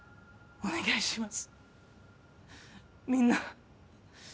お願いします